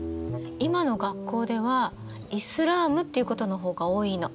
今の学校ではイスラームっていうことの方が多いの。